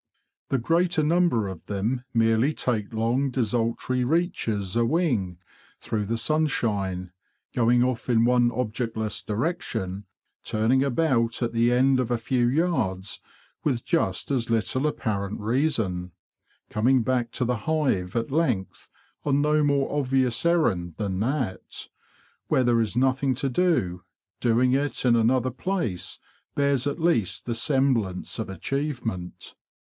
The greater number of them merely take long desultory reaches a wing through the sunshine, going off in one objectless direction, turning about at the end of a few yards with just as little apparent reason, coming back to the hive at length on no more obvious errand than that, where there is nothing to do, doing it in another place bears at least the semblance of achievement.